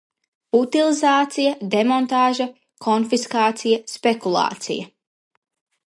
Utilizācija, demontāža, konfiskācija, spekulācija.